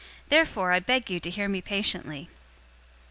Therefore I beg you to hear me patiently.